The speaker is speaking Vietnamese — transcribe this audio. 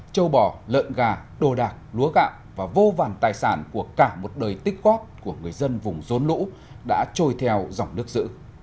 châu bò lợn gà đồ đạc lúa gạo và vô vàn tài sản của cả một đời tích góp của người dân vùng rốn lũ đã trôi theo dòng nước giữ